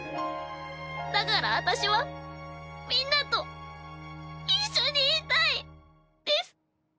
だから私はみんなと一緒にいたいです。